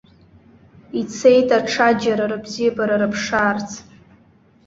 Ицеит аҽаџьара рыбзиабара рыԥшаарц.